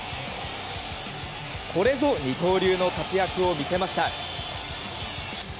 これぞ二刀流の活躍を見せました。